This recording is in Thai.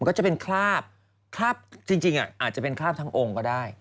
ก็จะเป็นคราบคราบจริงอาจจะเป็นคราบทั้งองค์ก็ได้